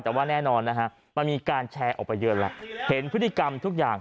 แต่ว่าแน่นอนนะฮะมันมีการแชร์ออกไปเยอะแล้วเห็นพฤติกรรมทุกอย่าง